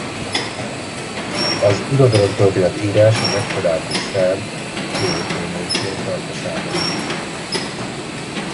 Az irodalomtörténet-írás a legkorábbi szerb költőnőként tartja számon.